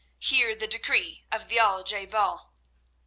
Hear the decree of the Al je bal!"